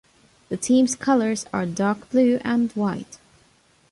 The team's colors are dark blue and white.